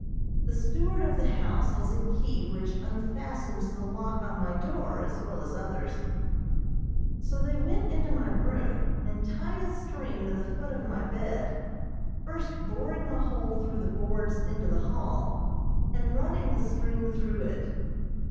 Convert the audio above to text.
The steward of the house has a key which unfastens the lock on my door, as well as others; so they went into my room and tied a string to the foot of my bed, first boring a hole through the boards into the hall, and running the string through it.